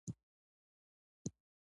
ملاریا ناروغي زیاته شوي ده.